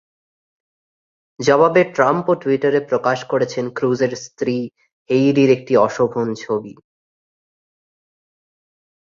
জবাবে ট্রাম্পও টুইটারে প্রকাশ করেছেন ক্রুজের স্ত্রী হেইডির একটি অশোভন ছবি।